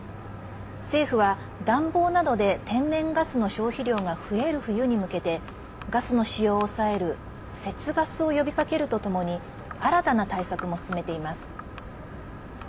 政府は、暖房などで天然ガスの消費量が増える冬に向けてガスの使用を抑える節ガスを呼びかけるとともに新たな対策も進めています。